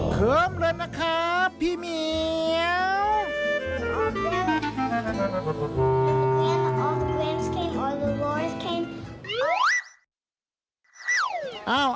เคิ้มเลยนะครับพี่เหมียว